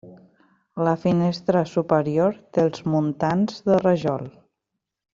La finestra superior té els muntants de rajol.